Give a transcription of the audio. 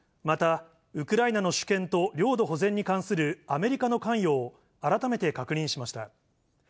また、ウクライナの主権と領土保全に関するアメリカの関与を改めて確認しました。